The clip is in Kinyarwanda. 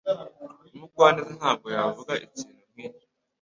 Umugwaneza ntabwo yavuga ikintu nkicyo.